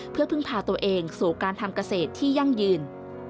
เพื่อพึ่งพาตัวเองสู่การทำเกษตรที่ยั่งยืน